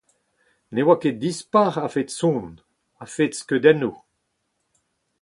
Ne oa ket dispar a-fet son, a-fet skeudennoù.